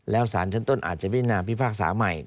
แล้วสารชั้นต้นอาจจะไปนำพุทธภาคศาสตร์ใหม่